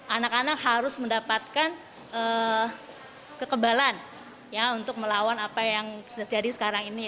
anak anak harus mendapatkan kekebalan untuk melawan apa yang terjadi sekarang ini